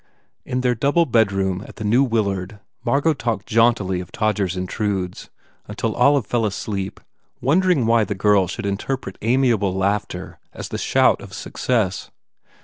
In their double bedroom at the New Willard Margot talked jauntily of "Todgers Intrudes, 7 until Olive fell asleep wondering why the girl should interpret amiable laughter as the shout of success.